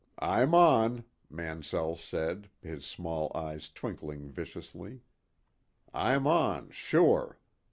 "I'm on," Mansell said, his small eyes twinkling viciously. "I'm on sure.